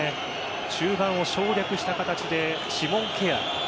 中盤を省略した形でシモン・ケア